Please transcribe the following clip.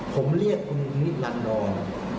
ผมเรียกคุณอันดอน